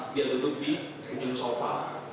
dia duduk di ujung sofa